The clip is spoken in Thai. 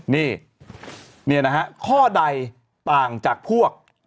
นี่นี่นะฮะข้อใดต่างจากพวก